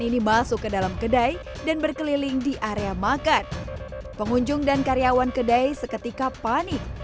ini masuk ke dalam kedai dan berkeliling di area makan pengunjung dan karyawan kedai seketika panik